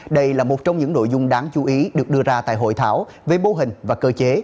đây là một trong những nội dung đáng chú ý được đưa ra tại hội thảo về mô hình và cơ chế